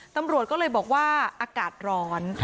ตำรวจก็เลยบอกว่าอากาศร้อน